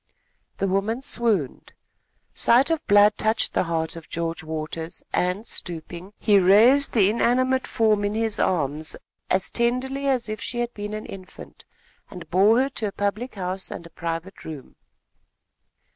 The woman swooned. Sight of blood touched the heart of George Waters, and, stooping, he raised the inanimate form in his arms, as tenderly as if she had been an infant, and bore her to a public house and a private room.